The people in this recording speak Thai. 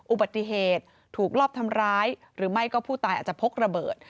อุบัติเหตุถูกลอบทำร้ายหรือไม่ก็ผู้ตายอาจจะพกระเบิด